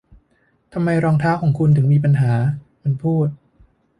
'ทำไมรองเท้าของคุณถึงมีปัญหา' มันพูด